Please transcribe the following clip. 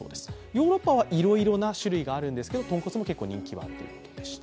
ヨーロッパはいろいろな種類があるんですけどとんこつも結構人気があるということでした。